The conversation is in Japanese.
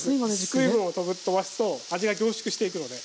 水分をとばすと味が凝縮していくので。